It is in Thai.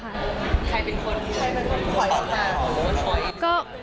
ใครเป็นคนห่อยละกัน